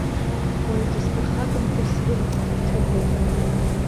Уаҩ дысԥырхагамкәа срылҵт, иҭабуп.